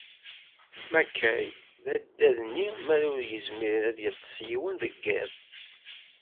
Makay, d addad-nni m'ara ur yezmir ad yeṭṭes yiwen deg iḍ.